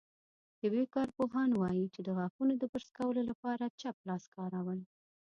طبي کارپوهان وايي، چې د غاښونو د برس کولو لپاره چپ لاس کارول